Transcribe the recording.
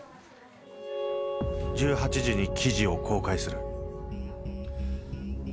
「１８時に記事を公開する」。